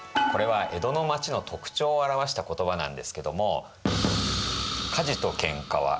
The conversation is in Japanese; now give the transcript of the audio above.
これは江戸の町の特徴を表した言葉なんですけども。